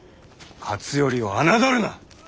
勝頼を侮るな！